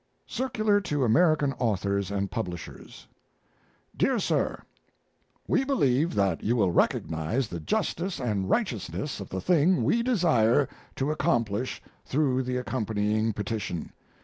CIRCULAR TO AMERICAN AUTHORS AND PUBLISHERS DEAR SIR, We believe that you will recognize the justice and the righteousness of the thing we desire to accomplish through the accompanying petition.